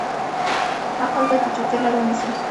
عقل باید د چوپتیا لاره ونیسي.